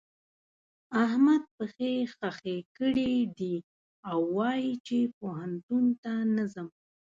احمد پښې خښې کړې دي او وايي چې پوهنتون ته نه ځم.